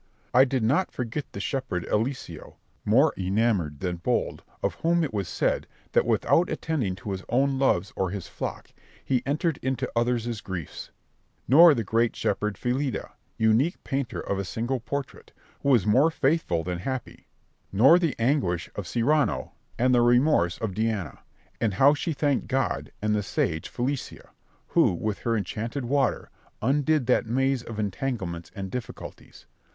I did not forget the shepherd Elicio, more enamoured than bold, of whom it was said, that without attending to his own loves or his flock, he entered into others' griefs; nor the great shepherd Filida, unique painter of a single portrait, who was more faithful than happy; nor the anguish of Sireno and the remorse of Diana, and how she thanked God and the sage Felicia, who, with her enchanted water, undid that maze of entanglements and difficulties.